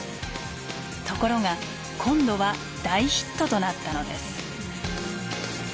ところが今度は大ヒットとなったのです。